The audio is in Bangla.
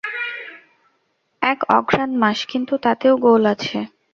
এক অঘ্রান মাস–কিন্তু তাতেও গোল আছে।